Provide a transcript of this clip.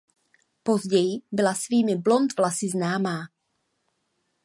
Později byla svými blond vlasy známá.